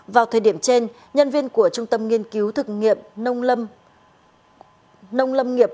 vào thời điểm trên nhân viên của trung tâm nghiên cứu thực nghiệm nông lâm nghiệp